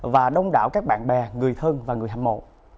và đông đảo các bạn bè người thân và người hâm mộ